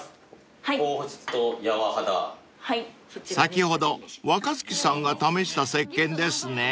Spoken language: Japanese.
［先ほど若槻さんが試したせっけんですね］